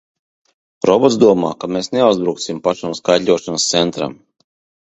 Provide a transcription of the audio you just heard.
Robots domā, ka mēs neuzbruksim pašam skaitļošanas centram!